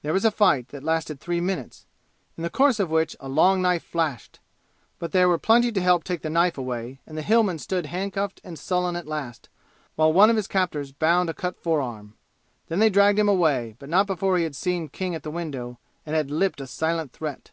There was a fight, that lasted three minutes, in the course of which a long knife flashed. But there were plenty to help take the knife away, and the Hillman stood handcuffed and sullen at last, while one of his captors bound a cut forearm. Then they dragged him away; but not before he had seen King at the window, and had lipped a silent threat.